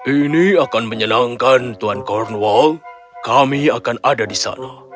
ini akan menyenangkan tuan cornwall kami akan ada di sana